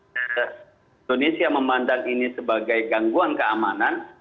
indonesia memandang ini sebagai gangguan keamanan